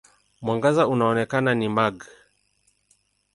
Mwangaza unaoonekana ni mag.